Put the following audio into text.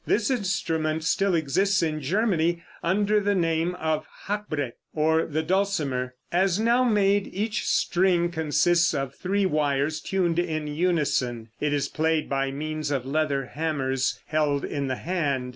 This instrument still exists in Germany under the name of Hackbrett, or the dulcimer. As now made, each string consists of three wires tuned in unison. It is played by means of leather hammers held in the hand.